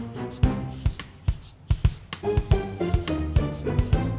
para pengurus dan pengurus